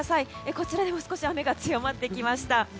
こちらでも少し雨が強まってきました。